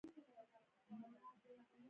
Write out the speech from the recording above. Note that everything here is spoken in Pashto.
ایا ستاسو اسمان به شین وي؟